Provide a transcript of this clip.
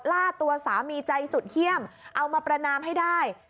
ล่าตัวสามีใจสุดเยี่ยมเอามาประนามให้ได้